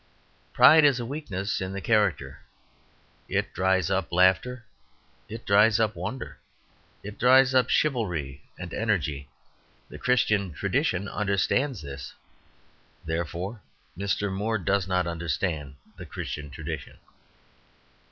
Pride is a weakness in the character; it dries up laughter, it dries up wonder, it dries up chivalry and energy. The Christian tradition understands this; therefore Mr. Moore does not understand the Christian tradition.